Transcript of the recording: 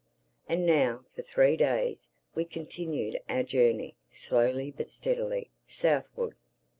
And now for three days we continued our journey slowly but steadily—southward.